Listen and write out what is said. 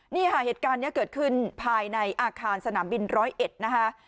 นี่ค่ะเหตุการณ์นี้เกิดขึ้นภายในอาคารสนามบินร้อยเอ็ดนะคะ